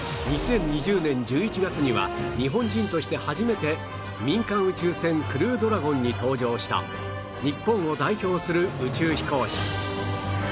２０２０年１１月には日本人として初めて民間宇宙船クルードラゴンに搭乗した日本を代表する宇宙飛行士